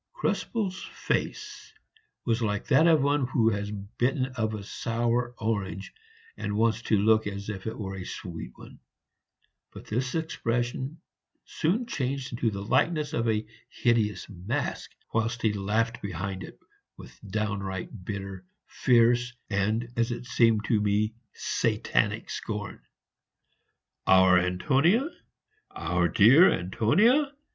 Krespel's face was like that of one who has bitten of a sour orange and wants to look as if it were a sweet one; but this expression soon changed into the likeness of a hideous mask, whilst he laughed behind it with downright, bitter, fierce, and, as it seemed to me, satanic scorn. "Our Antonia? our dear Antonia?"